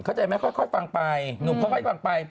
เข้าใจไหมค่อยฟังไปหนูค่อยฟังไป